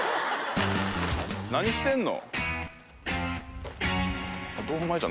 何してんの？